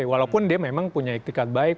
walaupun dia memang punya etikat baik